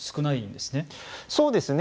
そうですね。